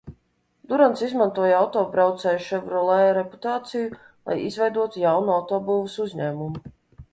Durants izmantoja autobraucēja Ševrolē reputāciju, lai izveidotu jaunu autobūves uzņēmumu.